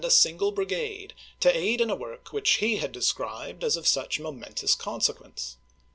^'' a single brigade to aid in a work which he had ^p.'ssi.^" described as of such momentous consequence.